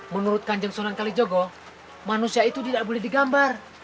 menurut kanjeng sunan kalijogo manusia itu tidak boleh digambar